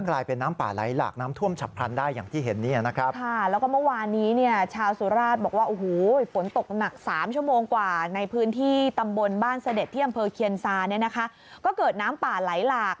และกลายเป็นน้ำป่าไหลหลาก